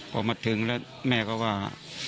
พอมาถึงแล้วแม่ก็ว่า